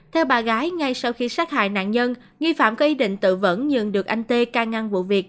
theo bà gái ngay sau khi sát hại nạn nhân nghi phạm có ý định tự vẫn dừng được anh tê ca ngăn vụ việc